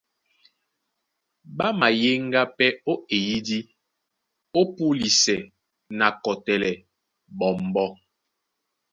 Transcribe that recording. Ɓá mayéŋgá pɛ́ ó eyídí ó púlisɛ na kɔtɛlɛ ɓɔmbɔ́.